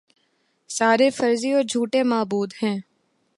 سارے فرضی اور جھوٹے معبود ہیں